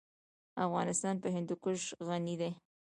افغانستان په هندوکش غني دی.